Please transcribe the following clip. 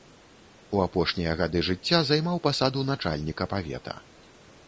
У апошнія гады жыцця займаў пасаду начальніка павета.